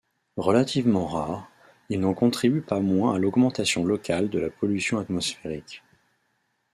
Relativement rares, ils n’en contribuent pas moins à l’augmentation locale de la pollution atmosphérique.